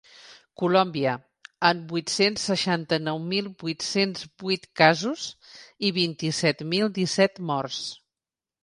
Colòmbia, amb vuit-cents seixanta-nou mil vuit-cents vuit casos i vint-i-set mil disset morts.